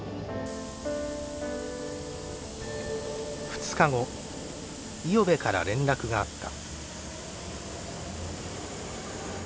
２日後五百部から連絡があった。